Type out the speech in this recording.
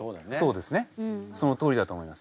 そうですねそのとおりだと思います。